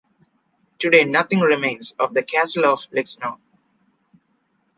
Today, nothing remains of the Castle of Lixnaw.